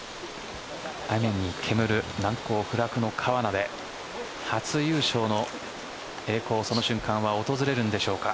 雨に煙る難攻不落の川奈で初優勝の栄光その瞬間は訪れるのでしょうか。